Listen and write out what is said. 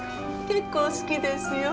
結構好きですよ。